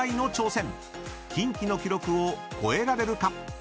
［キンキの記録を超えられるか？］